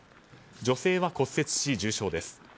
女性は骨折し、重傷です。